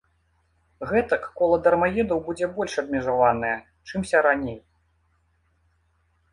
Гэтак кола дармаедаў будзе больш абмежаванае, чымся раней.